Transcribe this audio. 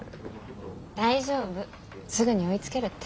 大丈夫すぐに追いつけるって。